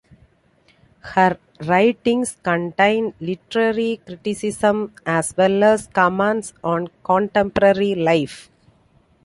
Her writings contain literary criticism as well as comments on contemporary life.